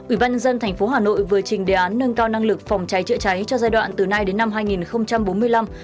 ủy ban nhân dân tp hà nội vừa trình đề án nâng cao năng lực phòng cháy chữa cháy cho giai đoạn từ nay đến năm hai nghìn bốn mươi năm